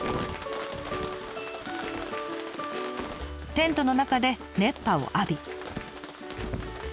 テントの中で熱波を浴び。